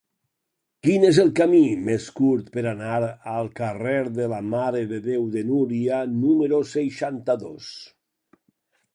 Quin és el camí més curt per anar al carrer de la Mare de Déu de Núria número seixanta-dos?